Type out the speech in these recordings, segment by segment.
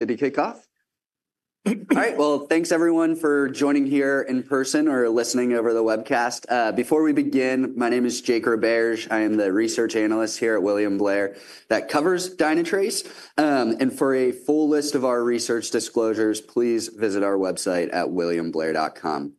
Did he kick off? All right. Thanks, everyone, for joining here in person or listening over the webcast. Before we begin, my name is Jake Roberge. I am the research analyst here at William Blair that covers Dynatrace. For a full list of our research disclosures, please visit our website at williamblair.com.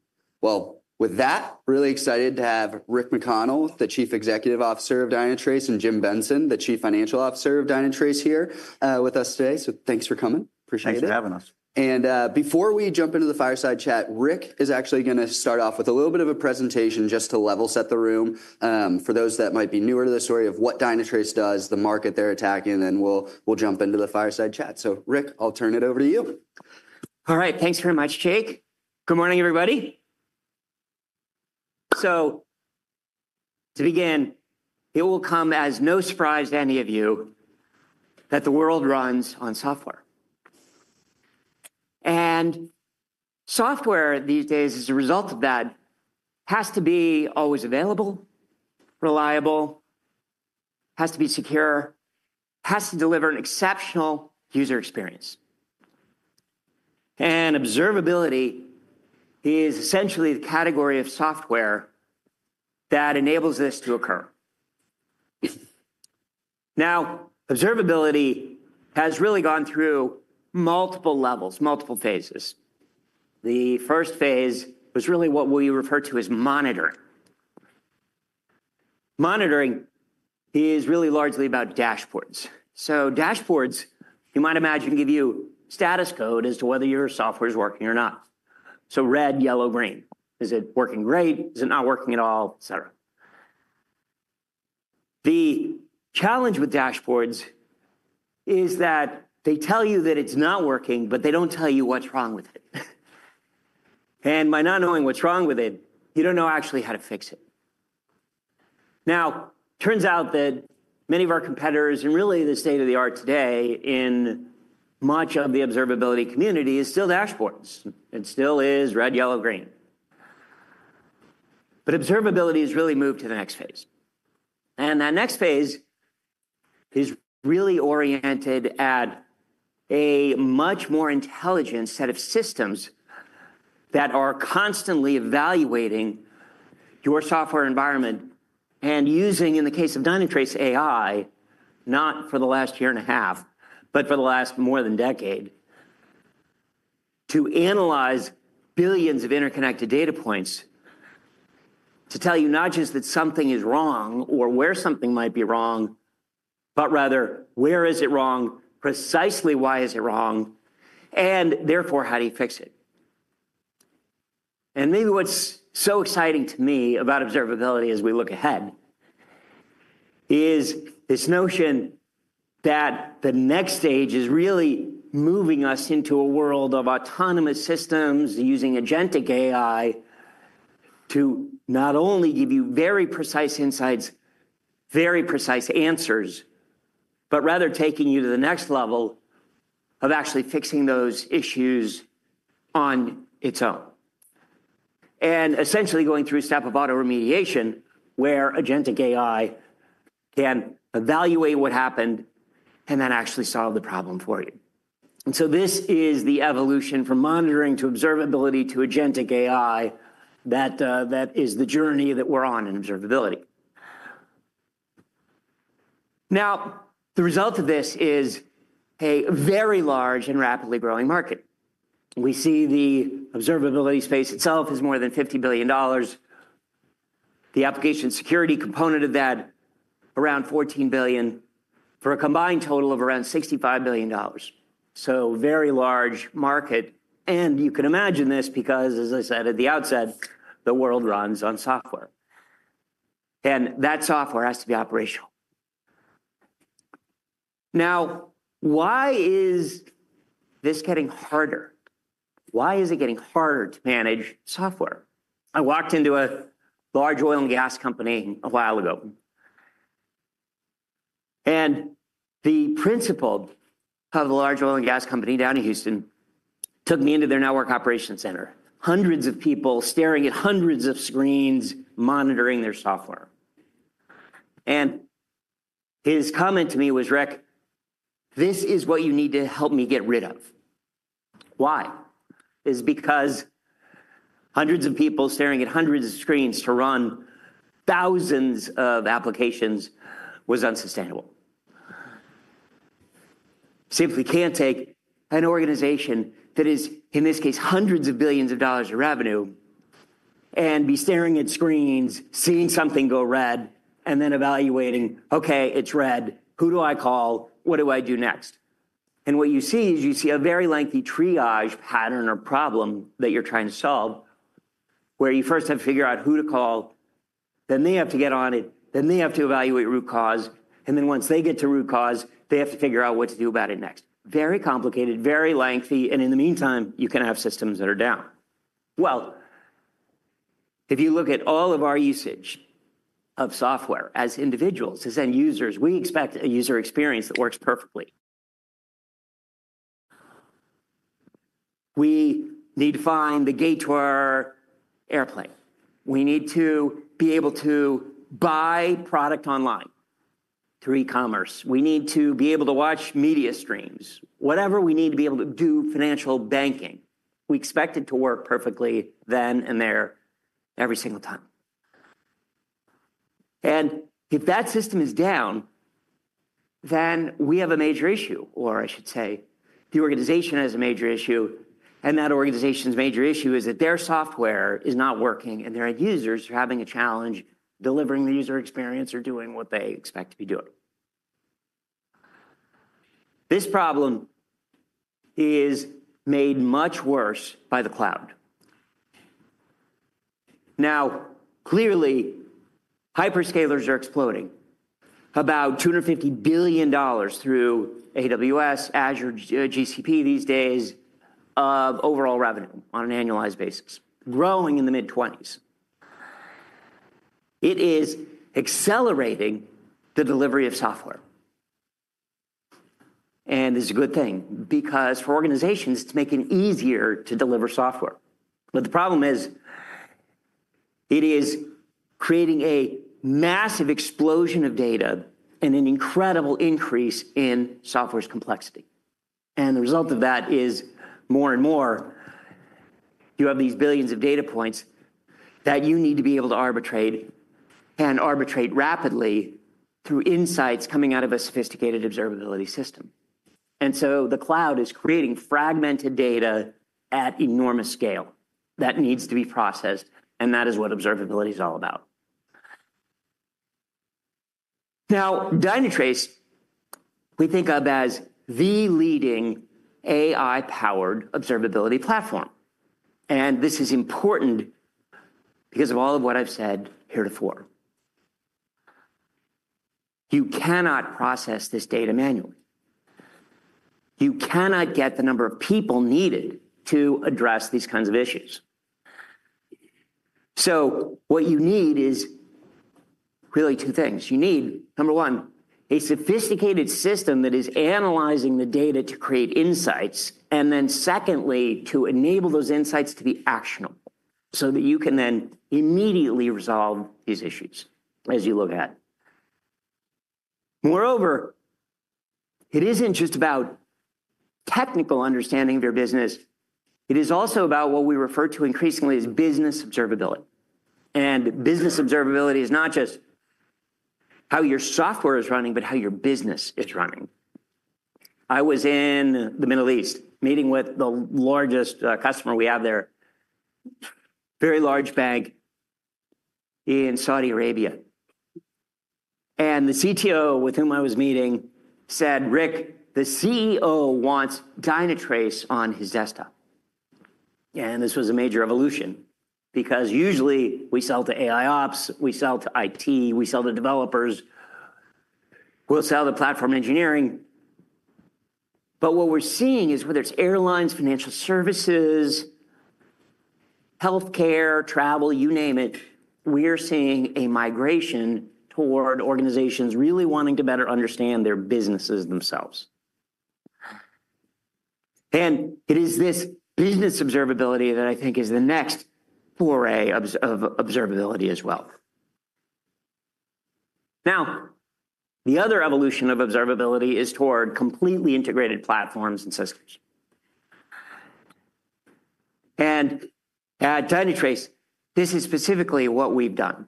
With that, really excited to have Rick McConnell, the Chief Executive Officer of Dynatrace, and Jim Benson, the Chief Financial Officer of Dynatrace, here with us today. Thanks for coming. Appreciate it. Thanks for having us. Before we jump into the fireside chat, Rick is actually going to start off with a little bit of a presentation just to level set the room for those that might be newer to the story of what Dynatrace does, the market they're attacking, and then we'll jump into the fireside chat. Rick, I'll turn it over to you. All right. Thanks very much, Jake. Good morning, everybody. To begin, it will come as no surprise to any of you that the world runs on software. Software these days, as a result of that, has to be always available, reliable, has to be secure, has to deliver an exceptional user experience. Observability is essentially the category of software that enables this to occur. Now, observability has really gone through multiple levels, multiple phases. The first phase was really what we refer to as monitoring. Monitoring is really largely about dashboards. Dashboards, you might imagine, give you status code as to whether your software is working or not. Red, yellow, green. Is it working great? Is it not working at all, etc.? The challenge with dashboards is that they tell you that it's not working, but they do not tell you what's wrong with it. By not knowing what's wrong with it, you don't know actually how to fix it. It turns out that many of our competitors, and really the state of the art today in much of the observability community, is still dashboards. It still is red, yellow, green. Observability has really moved to the next phase. That next phase is really oriented at a much more intelligent set of systems that are constantly evaluating your software environment and using, in the case of Dynatrace AI, not for the last year and a half, but for the last more than decade, to analyze billions of interconnected data points to tell you not just that something is wrong or where something might be wrong, but rather where is it wrong, precisely why is it wrong, and therefore how do you fix it. Maybe what's so exciting to me about observability as we look ahead is this notion that the next stage is really moving us into a world of autonomous systems using agentic AI to not only give you very precise insights, very precise answers, but rather taking you to the next level of actually fixing those issues on its own. Essentially going through a step of autoremediation where agentic AI can evaluate what happened and then actually solve the problem for you. This is the evolution from monitoring to observability to agentic AI that is the journey that we're on in observability. Now, the result of this is a very large and rapidly growing market. We see the observability space itself is more than $50 billion. The application security component of that, around $14 billion for a combined total of around $65 billion. Very large market. You can imagine this because, as I said at the outset, the world runs on software. That software has to be operational. Now, why is this getting harder? Why is it getting harder to manage software? I walked into a large oil and gas company a while ago. The principal of a large oil and gas company down in Houston took me into their network operations center. Hundreds of people staring at hundreds of screens monitoring their software. His comment to me was, "Rick, this is what you need to help me get rid of." Why? It's because hundreds of people staring at hundreds of screens to run thousands of applications was unsustainable. You simply can't take an organization that is, in this case, hundreds of billions of dollars of revenue and be staring at screens, seeing something go red, and then evaluating, "Okay, it's red. Who do I call? What do I do next?" You see a very lengthy triage pattern or problem that you're trying to solve where you first have to figure out who to call, then they have to get on it, then they have to evaluate root cause, and then once they get to root cause, they have to figure out what to do about it next. Very complicated, very lengthy, and in the meantime, you can have systems that are down. If you look at all of our usage of software as individuals, as end users, we expect a user experience that works perfectly. We need to find the gate to our airplane. We need to be able to buy product online through e-commerce. We need to be able to watch media streams. Whatever we need to be able to do financial banking, we expect it to work perfectly then and there every single time. If that system is down, we have a major issue, or I should say the organization has a major issue, and that organization's major issue is that their software is not working and their end users are having a challenge delivering the user experience or doing what they expect to be doing. This problem is made much worse by the cloud. Now, clearly, hyperscalers are exploding, about $250 billion through AWS, Azure, GCP these days of overall revenue on an annualized basis, growing in the mid-20s. It is accelerating the delivery of software. This is a good thing because for organizations, it is making it easier to deliver software. The problem is it is creating a massive explosion of data and an incredible increase in software's complexity. The result of that is more and more, you have these billions of data points that you need to be able to arbitrate and arbitrate rapidly through insights coming out of a sophisticated observability system. The cloud is creating fragmented data at enormous scale that needs to be processed, and that is what observability is all about. Now, Dynatrace, we think of as the leading AI-powered observability platform. This is important because of all of what I've said heretofore. You cannot process this data manually. You cannot get the number of people needed to address these kinds of issues. What you need is really two things. You need, number one, a sophisticated system that is analyzing the data to create insights, and then secondly, to enable those insights to be actionable so that you can then immediately resolve these issues as you look ahead. Moreover, it is not just about technical understanding of your business. It is also about what we refer to increasingly as business observability. Business observability is not just how your software is running, but how your business is running. I was in the Middle East meeting with the largest customer we have there, a very large bank in Saudi Arabia. The CTO with whom I was meeting said, "Rick, the CEO wants Dynatrace on his desktop." This was a major evolution because usually we sell to AIOps, we sell to IT, we sell to developers, we will sell to platform engineering. What we're seeing is whether it's airlines, financial services, healthcare, travel, you name it, we are seeing a migration toward organizations really wanting to better understand their businesses themselves. It is this business observability that I think is the next foray of observability as well. Now, the other evolution of observability is toward completely integrated platforms and systems. At Dynatrace, this is specifically what we've done.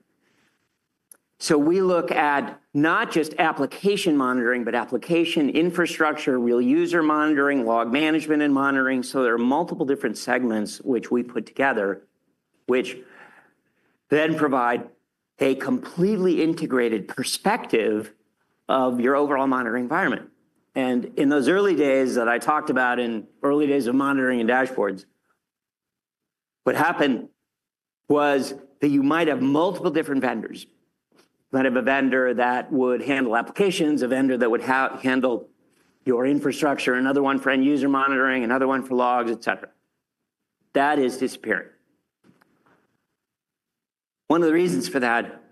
We look at not just application monitoring, but application infrastructure, real user monitoring, log management, and monitoring. There are multiple different segments which we put together, which then provide a completely integrated perspective of your overall monitoring environment. In those early days that I talked about, in early days of monitoring and dashboards, what happened was that you might have multiple different vendors. You might have a vendor that would handle applications, a vendor that would handle your infrastructure, another one for end user monitoring, another one for logs, etc. That is disappearing. One of the reasons for that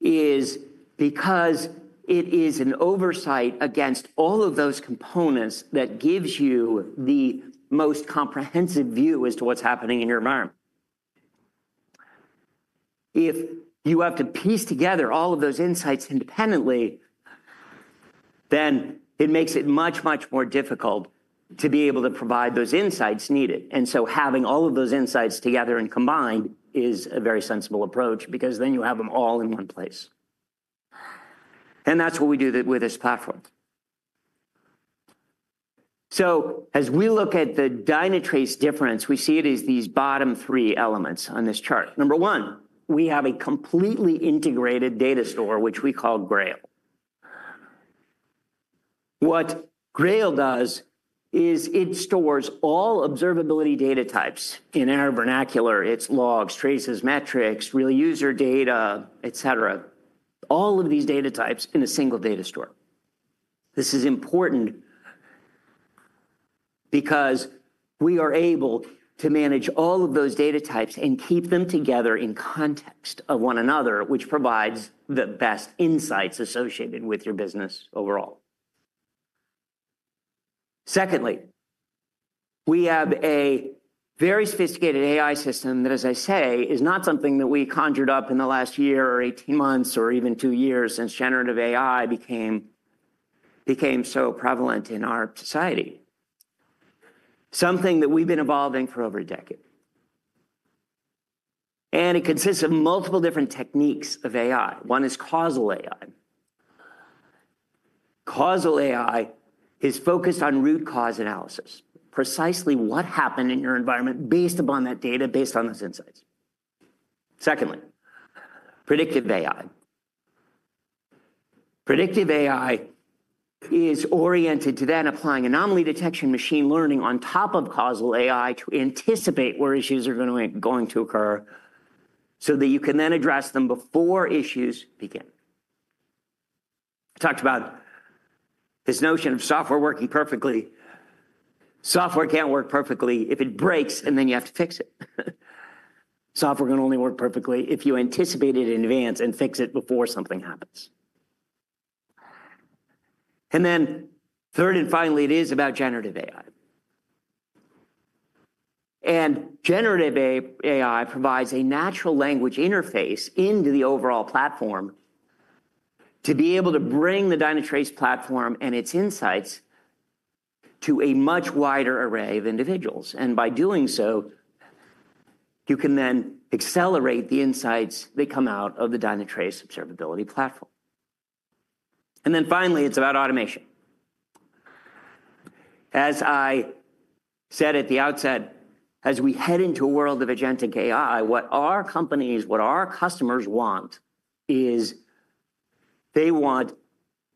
is because it is an oversight against all of those components that gives you the most comprehensive view as to what's happening in your environment. If you have to piece together all of those insights independently, it makes it much, much more difficult to be able to provide those insights needed. Having all of those insights together and combined is a very sensible approach because then you have them all in one place. That is what we do with this platform. As we look at the Dynatrace difference, we see it as these bottom three elements on this chart. Number one, we have a completely integrated data store, which we call Grail. What Grail does is it stores all observability data types in our vernacular. It's logs, traces, metrics, real user data, etc. All of these data types in a single data store. This is important because we are able to manage all of those data types and keep them together in context of one another, which provides the best insights associated with your business overall. Secondly, we have a very sophisticated AI system that, as I say, is not something that we conjured up in the last year or 18 months or even two years since generative AI became so prevalent in our society. Something that we've been evolving for over a decade. And it consists of multiple different techniques of AI. One is causal AI. Causal AI is focused on root cause analysis, precisely what happened in your environment based upon that data, based on those insights. Secondly, predictive AI. Predictive AI is oriented to then applying anomaly detection, machine learning on top of causal AI to anticipate where issues are going to occur so that you can then address them before issues begin. I talked about this notion of software working perfectly. Software can't work perfectly if it breaks, and then you have to fix it. Software can only work perfectly if you anticipate it in advance and fix it before something happens. Third and finally, it is about generative AI. Generative AI provides a natural language interface into the overall platform to be able to bring the Dynatrace platform and its insights to a much wider array of individuals. By doing so, you can then accelerate the insights that come out of the Dynatrace observability platform. Finally, it's about automation. As I said at the outset, as we head into a world of agentic AI, what our companies, what our customers want is they want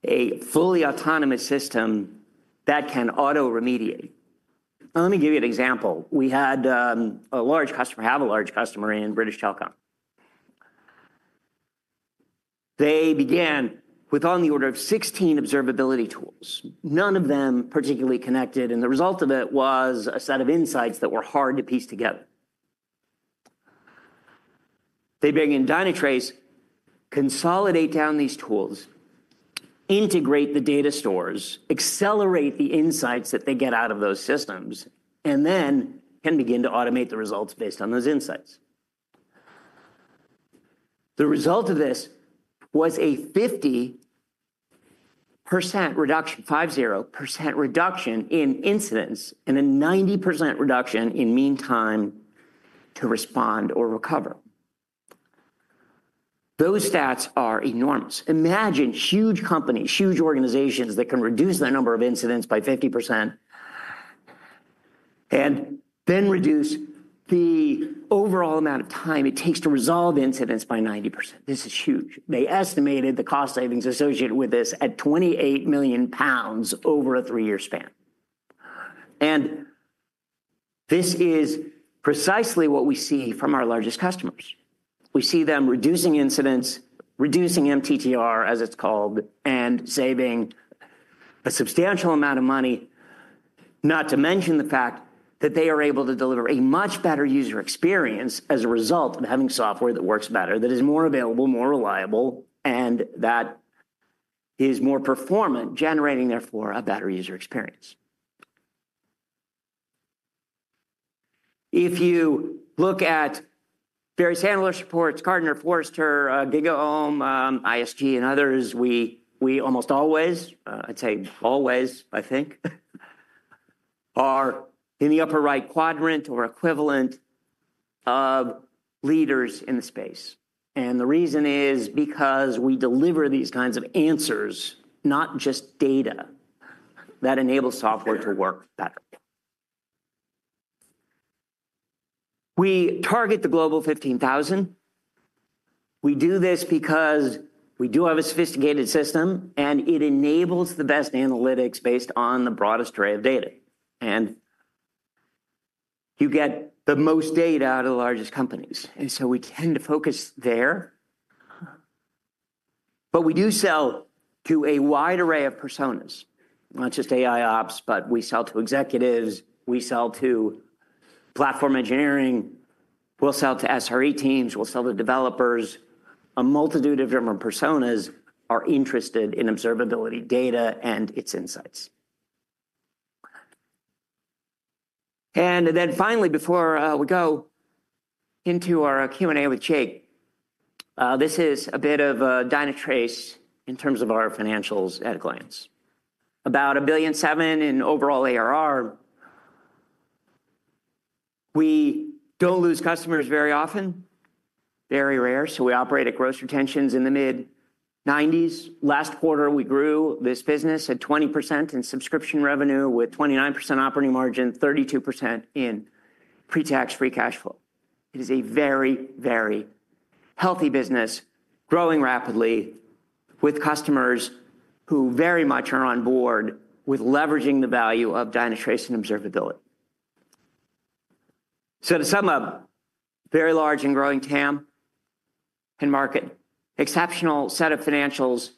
a fully autonomous system that can auto-remediate. Let me give you an example. We have a large customer in British Telecom. They began with on the order of 16 observability tools, none of them particularly connected. The result of it was a set of insights that were hard to piece together. They bring in Dynatrace, consolidate down these tools, integrate the data stores, accelerate the insights that they get out of those systems, and then can begin to automate the results based on those insights. The result of this was a 50% reduction, 5-0% reduction in incidents and a 90% reduction in mean time to respond or recover. Those stats are enormous. Imagine huge companies, huge organizations that can reduce the number of incidents by 50% and then reduce the overall amount of time it takes to resolve incidents by 90%. This is huge. They estimated the cost savings associated with this at 28 million pounds over a three-year span. This is precisely what we see from our largest customers. We see them reducing incidents, reducing MTTR, as it's called, and saving a substantial amount of money, not to mention the fact that they are able to deliver a much better user experience as a result of having software that works better, that is more available, more reliable, and that is more performant, generating therefore a better user experience. If you look at various handler supports, Cardinal, Forrester, GigaOm, ISG, and others, we almost always, I'd say always, I think, are in the upper right quadrant or equivalent of leaders in the space. The reason is because we deliver these kinds of answers, not just data, that enables software to work better. We target the global 15,000. We do this because we do have a sophisticated system, and it enables the best analytics based on the broadest array of data. You get the most data out of the largest companies. We tend to focus there. We do sell to a wide array of personas, not just AIOps, but we sell to executives. We sell to platform engineering. We'll sell to SRE teams. We'll sell to developers. A multitude of different personas are interested in observability data and its insights. Finally, before we go into our Q&A with Jake, this is a bit of Dynatrace in terms of our financials at a glance. About $1.7 billion in overall ARR. We do not lose customers very often, very rare. We operate at gross retentions in the mid-90s. Last quarter, we grew this business at 20% in subscription revenue with 29% operating margin, 32% in pre-tax free cash flow. It is a very, very healthy business, growing rapidly with customers who very much are on board with leveraging the value of Dynatrace and observability. To sum up, very large and growing TAM and market, exceptional set of financials,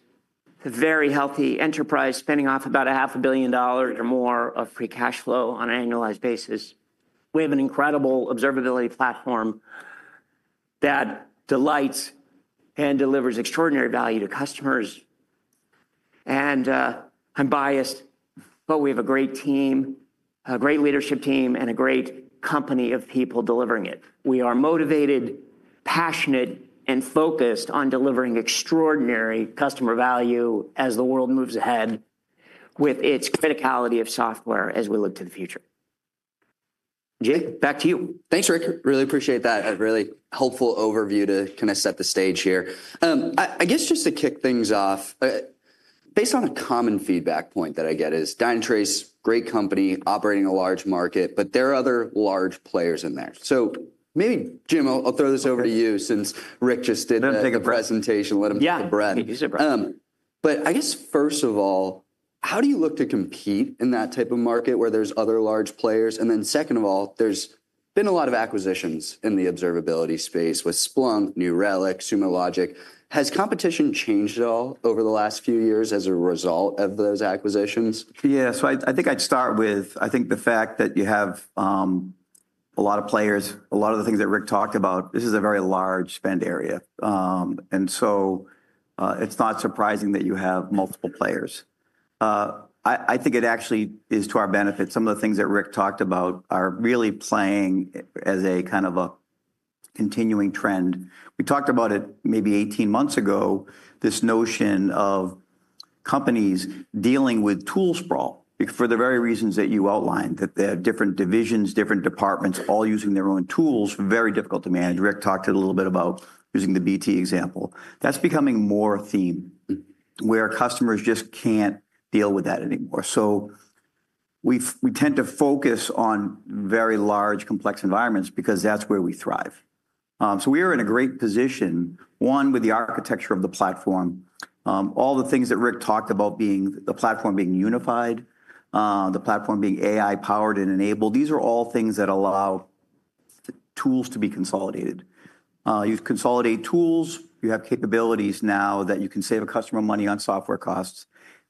a very healthy enterprise spinning off about $0.5 billion or more of free cash flow on an annualized basis. We have an incredible observability platform that delights and delivers extraordinary value to customers. I'm biased, but we have a great team, a great leadership team, and a great company of people delivering it. We are motivated, passionate, and focused on delivering extraordinary customer value as the world moves ahead with its criticality of software as we look to the future. Jake, back to you. Thanks, Rick. Really appreciate that. A really helpful overview to kind of set the stage here. I guess just to kick things off, based on a common feedback point that I get is Dynatrace, great company, operating a large market, but there are other large players in there. Maybe, Jim, I'll throw this over to you since Rick just did a presentation. Let him take a breath. I guess first of all, how do you look to compete in that type of market where there's other large players? There has been a lot of acquisitions in the observability space with Splunk, New Relic, Sumo Logic. Has competition changed at all over the last few years as a result of those acquisitions? Yeah. I think I'd start with, I think the fact that you have a lot of players, a lot of the things that Rick talked about, this is a very large spend area. It is not surprising that you have multiple players. I think it actually is to our benefit. Some of the things that Rick talked about are really playing as a kind of a continuing trend. We talked about it maybe 18 months ago, this notion of companies dealing with tool sprawl for the very reasons that you outlined, that they have different divisions, different departments, all using their own tools, very difficult to manage. Rick talked a little bit about using the BT example. That is becoming more a theme where customers just cannot deal with that anymore. We tend to focus on very large, complex environments because that is where we thrive. We are in a great position, one, with the architecture of the platform. All the things that Rick talked about, the platform being unified, the platform being AI-powered and enabled, these are all things that allow tools to be consolidated. You consolidate tools, you have capabilities now that you can save a customer money on software costs,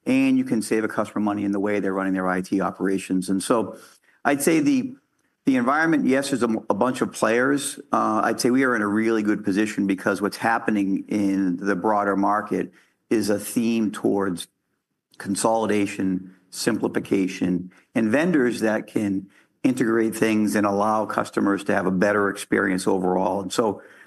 and you can save a customer money in the way they are running their IT operations. I would say the environment, yes, there is a bunch of players. I'd say we are in a really good position because what's happening in the broader market is a theme towards consolidation, simplification, and vendors that can integrate things and allow customers to have a better experience overall.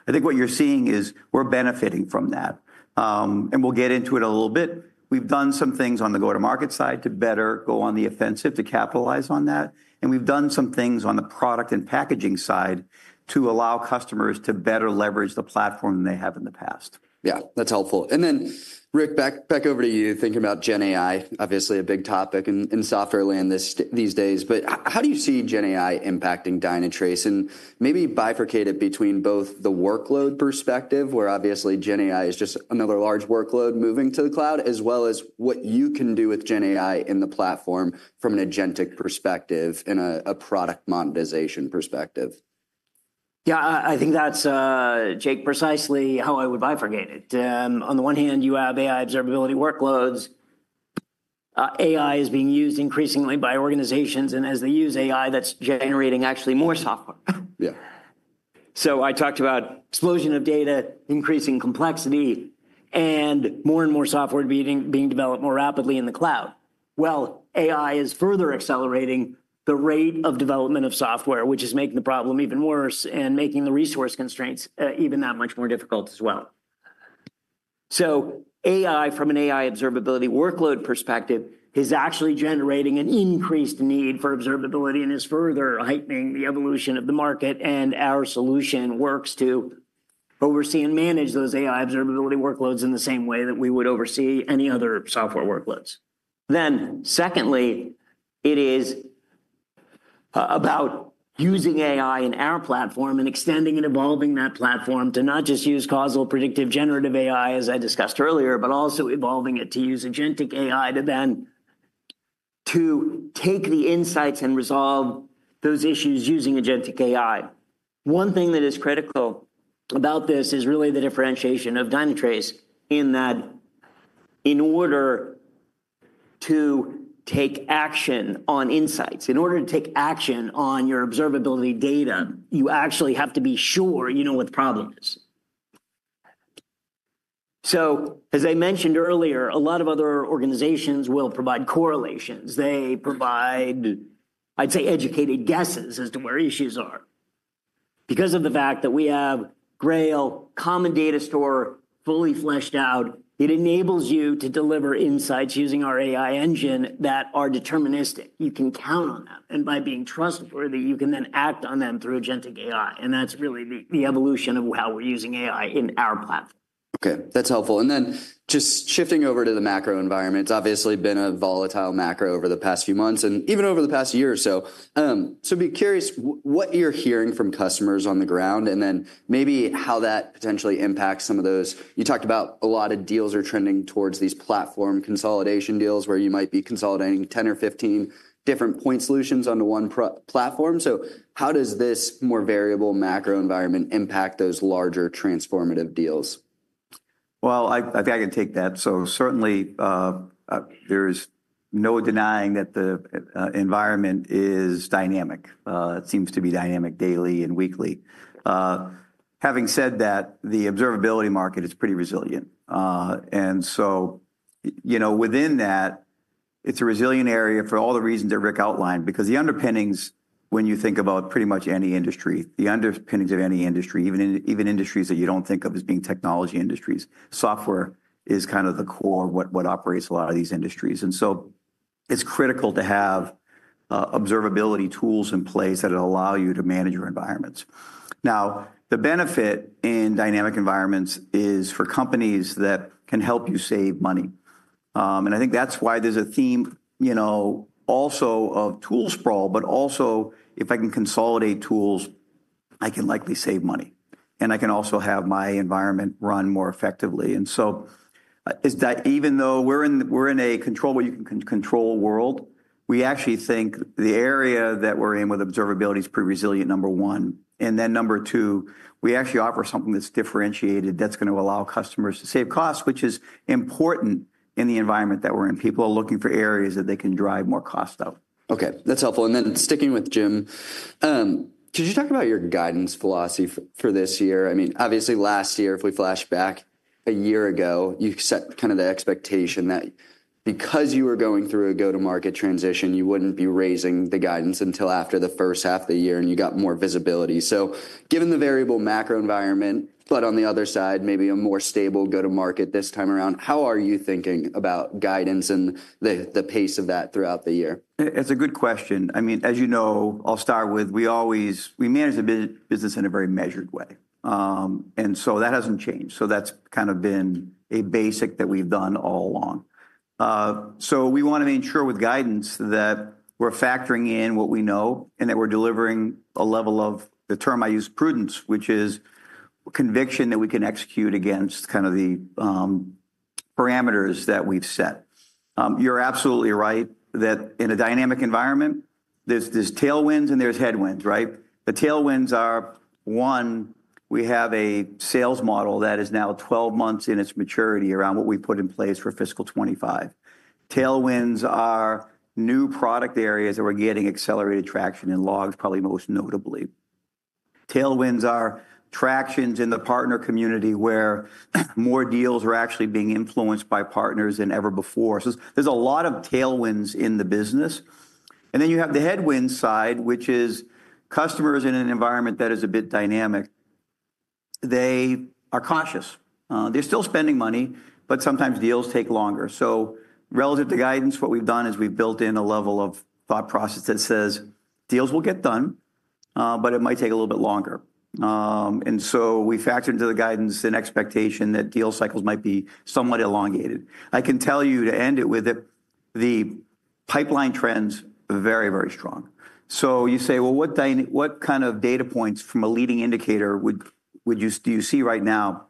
I think what you're seeing is we're benefiting from that. We'll get into it a little bit. We've done some things on the go-to-market side to better go on the offensive to capitalize on that. We've done some things on the product and packaging side to allow customers to better leverage the platform than they have in the past. Yeah, that's helpful. Rick, back over to you, thinking about GenAI, obviously a big topic in software land these days. How do you see GenAI impacting Dynatrace? Maybe bifurcate it between both the workload perspective, where obviously GenAI is just another large workload moving to the cloud, as well as what you can do with GenAI in the platform from an agentic perspective and a product monetization perspective. Yeah, I think that's, Jake, precisely how I would bifurcate it. On the one hand, you have AI observability workloads. AI is being used increasingly by organizations. As they use AI, that's generating actually more software. Yeah. I talked about explosion of data, increasing complexity, and more and more software being developed more rapidly in the cloud. AI is further accelerating the rate of development of software, which is making the problem even worse and making the resource constraints even that much more difficult as well. AI, from an AI observability workload perspective, is actually generating an increased need for observability and is further heightening the evolution of the market. Our solution works to oversee and manage those AI observability workloads in the same way that we would oversee any other software workloads. Secondly, it is about using AI in our platform and extending and evolving that platform to not just use causal, predictive, generative AI, as I discussed earlier, but also evolving it to use agentic AI to then take the insights and resolve those issues using agentic AI. One thing that is critical about this is really the differentiation of Dynatrace in that in order to take action on insights, in order to take action on your observability data, you actually have to be sure you know what the problem is. As I mentioned earlier, a lot of other organizations will provide correlations. They provide, I'd say, educated guesses as to where issues are. Because of the fact that we have Grail, common data store, fully fleshed out, it enables you to deliver insights using our AI engine that are deterministic. You can count on that. By being trustworthy, you can then act on them through agentic AI. That's really the evolution of how we're using AI in our platform. Okay, that's helpful. Just shifting over to the macro environment, it's obviously been a volatile macro over the past few months and even over the past year or so. Be curious what you're hearing from customers on the ground and then maybe how that potentially impacts some of those. You talked about a lot of deals are trending towards these platform consolidation deals where you might be consolidating 10 or 15 different point solutions onto one platform. How does this more variable macro environment impact those larger transformative deals? I think I can take that. Certainly there is no denying that the environment is dynamic. It seems to be dynamic daily and weekly. Having said that, the observability market is pretty resilient. Within that, it's a resilient area for all the reasons that Rick outlined because the underpinnings, when you think about pretty much any industry, the underpinnings of any industry, even industries that you do not think of as being technology industries, software is kind of the core of what operates a lot of these industries. It is critical to have observability tools in place that allow you to manage your environments. Now, the benefit in dynamic environments is for companies that can help you save money. I think that's why there's a theme also of tool sprawl, but also if I can consolidate tools, I can likely save money. I can also have my environment run more effectively. Even though we're in a control where you can control world, we actually think the area that we're in with observability is pretty resilient, number one. Number two, we actually offer something that's differentiated that's going to allow customers to save costs, which is important in the environment that we're in. People are looking for areas that they can drive more cost out. Okay, that's helpful. Sticking with Jim, could you talk about your guidance philosophy for this year? I mean, obviously last year, if we flashback a year ago, you set kind of the expectation that because you were going through a go-to-market transition, you would not be raising the guidance until after the first half of the year and you got more visibility. Given the variable macro environment, but on the other side, maybe a more stable go-to-market this time around, how are you thinking about guidance and the pace of that throughout the year? It's a good question. I mean, as you know, I'll start with we manage the business in a very measured way. That has not changed. That has kind of been a basic that we have done all along. We want to ensure with guidance that we're factoring in what we know and that we're delivering a level of, the term I use, prudence, which is conviction that we can execute against kind of the parameters that we've set. You're absolutely right that in a dynamic environment, there's tailwinds and there's headwinds, right? The tailwinds are, one, we have a sales model that is now 12 months in its maturity around what we put in place for fiscal 2025. Tailwinds are new product areas that we're getting accelerated traction in, logs probably most notably. Tailwinds are tractions in the partner community where more deals are actually being influenced by partners than ever before. There's a lot of tailwinds in the business. Then you have the headwind side, which is customers in an environment that is a bit dynamic. They are cautious. They're still spending money, but sometimes deals take longer. Relative to guidance, what we've done is we've built in a level of thought process that says deals will get done, but it might take a little bit longer. We factor into the guidance an expectation that deal cycles might be somewhat elongated. I can tell you to end it with the pipeline trends very, very strong. You say, what kind of data points from a leading indicator do you see right now?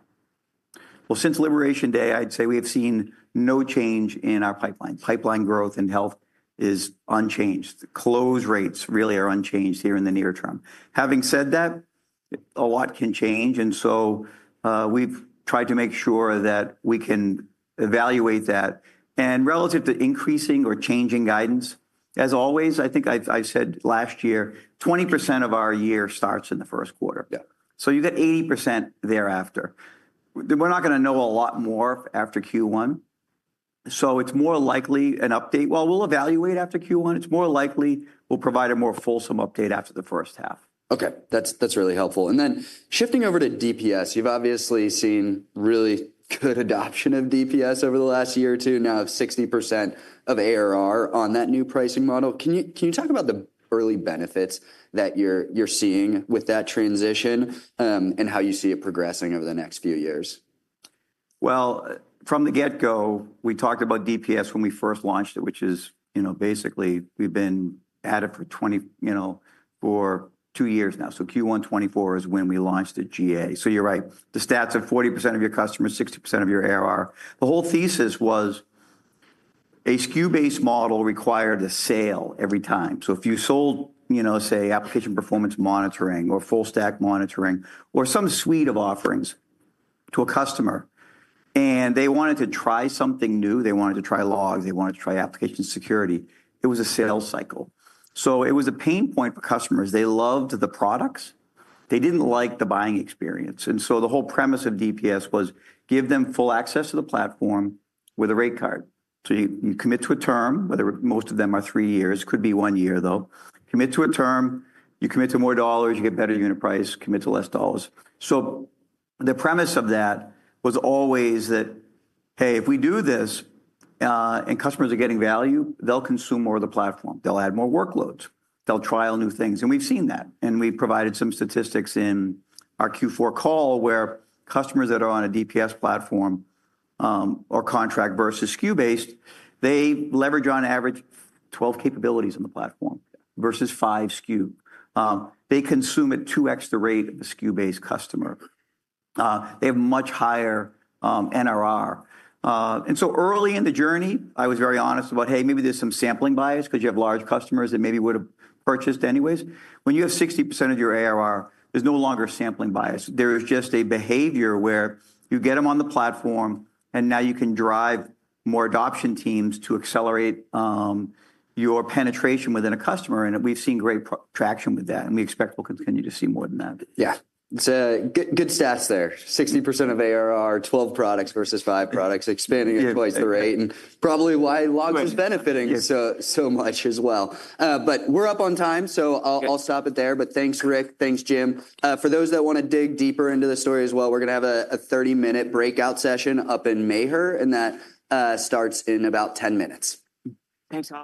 Since Liberation Day, I'd say we have seen no change in our pipeline. Pipeline growth and health is unchanged. Close rates really are unchanged here in the near term. Having said that, a lot can change. We've tried to make sure that we can evaluate that. Relative to increasing or changing guidance, as always, I think I said last year, 20% of our year starts in the first quarter. You get 80% thereafter. We're not going to know a lot more after Q1. It is more likely an update. We'll evaluate after Q1. It is more likely we'll provide a more fulsome update after the first half. Okay, that's really helpful. Shifting over to DPS, you've obviously seen really good adoption of DPS over the last year or two, now of 60% of ARR on that new pricing model. Can you talk about the early benefits that you're seeing with that transition and how you see it progressing over the next few years? From the get-go, we talked about DPS when we first launched it, which is basically we've been at it for 20, for two years now. Q1 2024 is when we launched the GA. You're right. The stats are 40% of your customers, 60% of your ARR. The whole thesis was a SKU-based model required a sale every time. If you sold, say, application performance monitoring or full stack monitoring or some suite of offerings to a customer and they wanted to try something new, they wanted to try logs, they wanted to try application security, it was a sales cycle. It was a pain point for customers. They loved the products. They didn't like the buying experience. The whole premise of DPS was give them full access to the platform with a rate card. You commit to a term, whether most of them are three years, could be one year though. Commit to a term, you commit to more dollars, you get better unit price, commit to less dollars. The premise of that was always that, hey, if we do this and customers are getting value, they'll consume more of the platform. They'll add more workloads. They'll trial new things. We've seen that. We provided some statistics in our Q4 call where customers that are on a DPS platform or contract versus SKU-based, they leverage on average 12 capabilities on the platform versus five SKU. They consume at 2x the rate of the SKU-based customer. They have much higher NRR. Early in the journey, I was very honest about, hey, maybe there's some sampling bias because you have large customers that maybe would have purchased anyways. When you have 60% of your ARR, there's no longer sampling bias. There is just a behavior where you get them on the platform and now you can drive more adoption teams to accelerate your penetration within a customer. We have seen great traction with that. We expect we will continue to see more than that. Yeah, it is good stats there. 60% of ARR, 12 products versus five products, expanding at twice the rate. That is probably why logs is benefiting so much as well. We are up on time, so I will stop it there. Thanks, Rick. Thanks, Jim. For those that want to dig deeper into the story as well, we are going to have a 30-minute breakout session up in [Mayher], and that starts in about 10 minutes. Thanks.